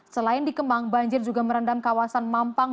selain di kemang banjir juga merendam kawasan mampang